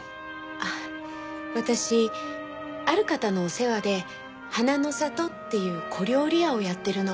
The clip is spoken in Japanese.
あっ私ある方のお世話で花の里っていう小料理屋をやってるの。